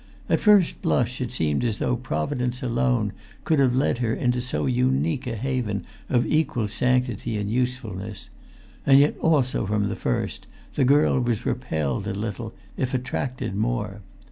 At the first blush, it seemed as though Providence alone could have led her into so unique a haven of equal sanctity and usefulness; and yet, also from the first, the girl was repelled a little if attracted more.